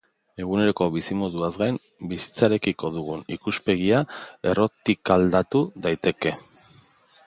Eguneroko bizimoduaz gain, bizitzarekiko dugun ikuspegia errotikaldatu daiteke.